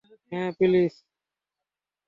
হ্যাঁ, প্লিজ!